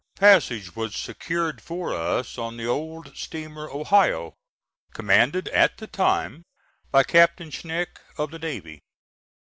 Passage was secured for us on the old steamer Ohio, commanded at the time by Captain Schenck, of the navy.